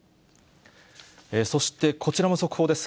そして、こちらも速報です。